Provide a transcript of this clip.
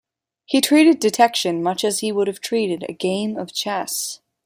He treated detection much as he would have treated a game of chess.